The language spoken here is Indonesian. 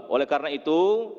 oleh karena itu